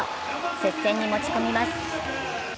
接戦に持ち込みます。